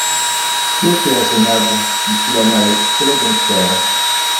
Toi qui es raisonnable, dit-il à Maheu, fais-les donc taire.